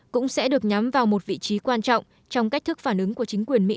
cũng sẽ được nhắm vào một vị trí quan trọng trong cách thức phản ứng của chính quyền mỹ